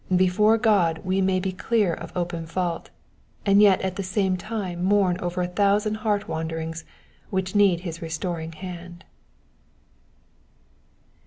Before God we may be clear of open fault and yet at the same time mourn over a thousand heart wandenngs which need his restoring hand.